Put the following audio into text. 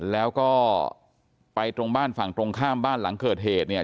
แล้วก็ไปตรงบ้านฝั่งตรงข้ามบ้านหลังเกิดเหตุเนี่ย